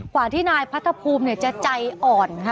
กว่าที่นายพัทธภูมิจะใจอ่อนค่ะ